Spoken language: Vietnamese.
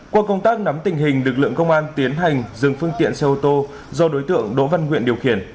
qua công tác nắm tình hình lực lượng công an tiến hành dừng phương tiện xe ô tô do đối tượng đỗ văn nguyện điều khiển